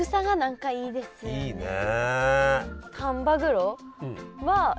いいね。